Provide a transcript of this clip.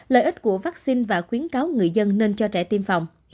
lợi ích của vaccine và khuyến cáo người dân nên cho trẻ tiêm phòng